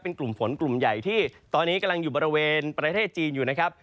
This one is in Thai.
เป็นกลุ่มฝนกลุ่มใหญ่ที่ตอนนี้กำลังอยู่บริเวณประเทศจีนอยู่นะครับ